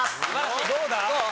どうだ？